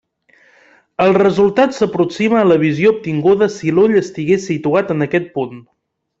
El resultat s'aproxima a la visió obtinguda si l'ull estigués situat en aquest punt.